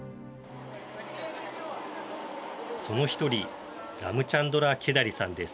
その１人ラムチャンドラ・ケダリさんです。